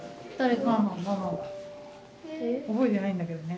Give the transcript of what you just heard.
覚えてないんだけどね。